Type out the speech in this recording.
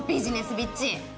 ビッチ？